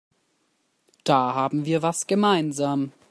Da haben wir was gemeinsam.